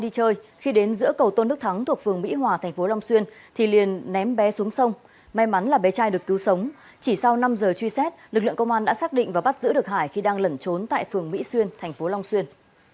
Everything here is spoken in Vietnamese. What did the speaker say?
chỉ sau năm giờ truy xét lực lượng công an đã xác định và bắt giữ được hải khi đang lẩn trốn tại phường mỹ xuyên thành phố long xuyên